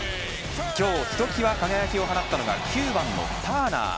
今日、ひときわ輝きを放ったのが９番、ターナー。